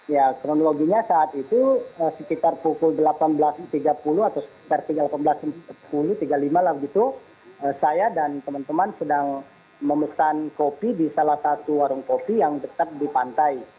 ya kronologinya saat itu sekitar pukul delapan belas tiga puluh atau sekitar tiga delapan belas sepuluh tiga puluh lima lah begitu saya dan teman teman sedang memesan kopi di salah satu warung kopi yang tetap di pantai